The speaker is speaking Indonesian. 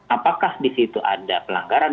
apakah di situ ada pelanggaran